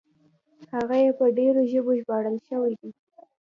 هغه یې په ډېرو ژبو ژباړل شوي دي.